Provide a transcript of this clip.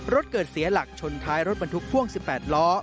รถเกิดเสียหลักชนท้ายรถบรรทุกพ่วง๑๘ล้อ